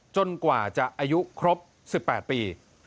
กว่าจะอายุครบ๑๘ปี